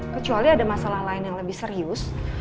kecuali ada masalah lain yang lebih serius